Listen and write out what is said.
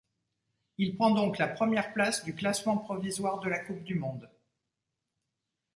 Il prend donc la première place du classement provisoire de la coupe du monde.